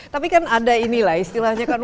tapi kan ada ini lah istilahnya kan